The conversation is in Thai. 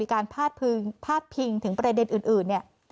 การพาดพิงถึงประเด็นอื่นเนี่ย